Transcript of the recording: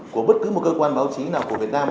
của bất cứ một cơ quan báo chí nào của việt nam